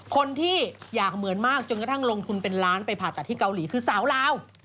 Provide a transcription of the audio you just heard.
คนที่อยากเหมือนมากจนกระทั่งลงทุนเป็นล้านไปผ่าตัดที่เกาหลีคือสาวลาว